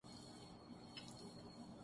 اس طرح Islamophobia خوف یا اسلام